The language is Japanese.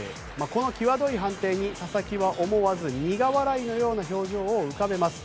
この際どい判定に佐々木は思わず苦笑いのような表情を浮かべます。